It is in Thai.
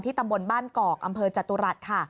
ที่ตำบลบ้านกอกอจตุรัตน์